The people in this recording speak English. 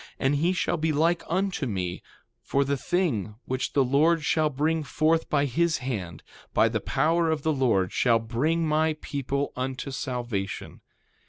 And he shall be like unto me; for the thing, which the Lord shall bring forth by his hand, by the power of the Lord shall bring my people unto salvation.